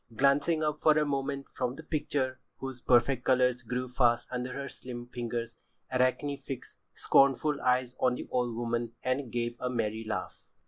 Glancing up for a moment from the picture whose perfect colours grew fast under her slim fingers, Arachne fixed scornful eyes on the old woman and gave a merry laugh.